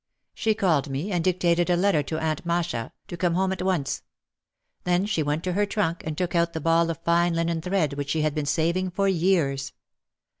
She called me and dictated a letter to Aunt Masha, to come home at once. Then she went to her trunk and took out the ball of fine linen thread which she had been saving for years.